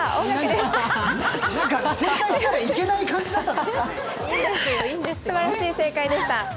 すばらしい正解でした。